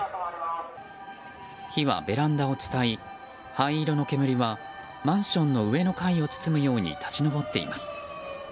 火はベランダを伝い、灰色の煙はマンションの上の階を包むように立ち上っています。